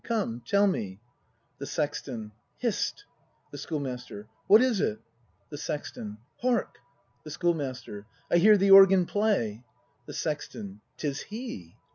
Come tell me ! The Sexton. Hist! The Schoolmaster. What is it? Acy V] BRAND 219 The Sexton. Hark! The Schoolmaster. I hear the organ play! The Sexton. 'Tis he.